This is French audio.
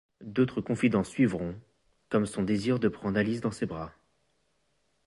D'autres confidences suivront, comme son désir de prendre Alice dans ses bras.